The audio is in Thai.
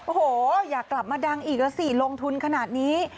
โอ้โหอยากกลับมาดังอีกแล้วสิลงทุนขนาดนี้